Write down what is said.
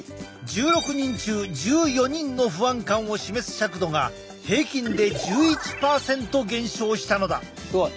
１６人中１４人の不安感を示す尺度が平均で１１％減少したのだ。